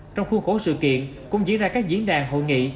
trong khuôn khổ sự kiện cũng diễn ra các diễn đàn hội nghị